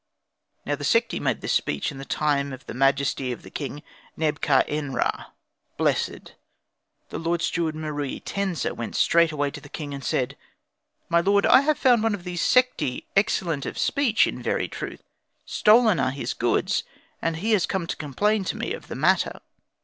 Now the Sekhti made this speech in the time of the majesty of the King Neb ka n ra, blessed. The Lord Steward Meruitensa went away straight to the king and said, "My lord, I have found one of these Sekhti, excellent of speech, in very truth; stolen are his goods, and he has come to complain to me of the matter."